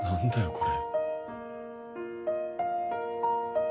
これ。